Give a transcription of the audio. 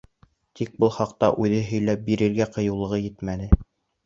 Тик был хаҡта үҙе һөйләп бирергә ҡыйыулығы етмәне.